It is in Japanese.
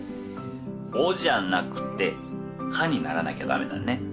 「お」じゃなくて「か」にならなきゃ駄目だね。